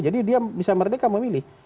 jadi dia bisa merdeka memilih